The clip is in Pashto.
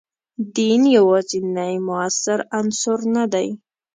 دین یوازینی موثر عنصر نه دی.